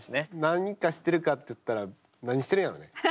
何かしてるかっつったら何してるんやろね。